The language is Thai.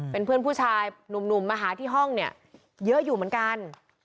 เป็นเพื่อนผู้ชายหนุ่มมาหาที่ห้องเนี่ยเยอะอยู่เหมือนกัน